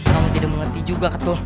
kamu tidak mengerti juga ketuh